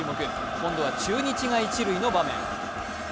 今度は中日が一塁の場面。